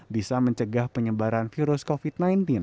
bisa mencegah penyebaran virus covid sembilan belas